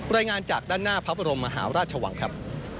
รายงานจากด้านหน้าพระบรมมหาราชวังครับ